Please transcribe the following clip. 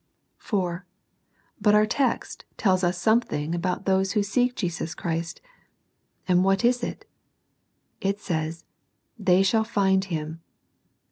IV. But our text tells us something about those who seek Jesus Christ, and what is it ? It says they " shall find Him."